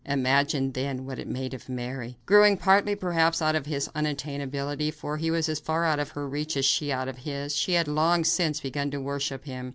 Imagine, then, what it made of Mary! Growing partly, perhaps, out of his unattainability for he was as far out of her reach as she out of his she had long since begun to worship him.